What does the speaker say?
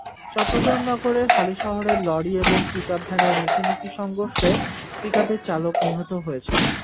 চট্টগ্রাম নগরের হালিশহরে লরি এবং পিকআপ ভ্যানের মুখোমুখি সংঘর্ষে পিকআপের চালক নিহত হয়েছেন।